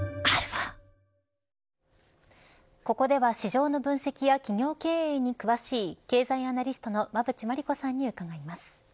ここでは市場の分析や企業経営に詳しい経済アナリストの馬渕磨理子さんに伺います。